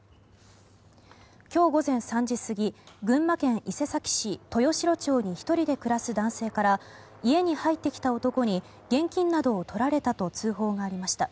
今日午前３時過ぎ群馬県伊勢崎市豊城町に１人で暮らす男性から家に入ってきた男に現金などをとられたと通報がありました。